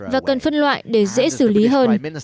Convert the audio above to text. và cần phân loại để dễ xử lý hơn